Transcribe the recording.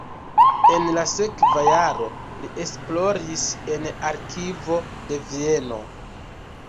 En la sekva jaro li esploris en arkivo de Vieno.